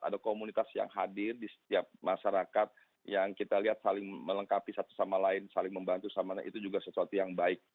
jadi komunitas yang hadir di setiap masyarakat yang kita lihat saling melengkapi satu sama lain saling membantu satu sama lain itu juga sesuatu yang baik